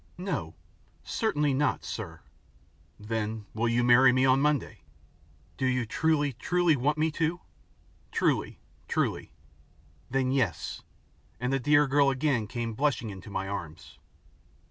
"No, certainly not, sir." "Then will you marry me on Monday?" "Do you truly, truly want me to?" "Truly, truly." "Then, yes," and the dear girl again came blushing into my arms.